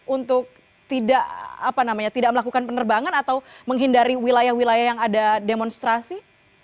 untuk tidak melakukan penerbangan atau menghindari wilayah wilayah yang ada demonstrasi